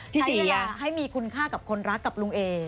พี่สีอ่ะใช้เวลาให้มีคุณค่ากับคนรักกับลุงเอ